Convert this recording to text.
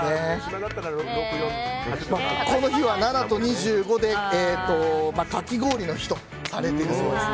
この日は７と２５でかき氷の日とされているそうです。